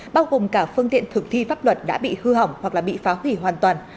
bao gồm cả phương tiện thực thi pháp luật đã bị hư hỏng hoặc là bị phá hủy hoàn toàn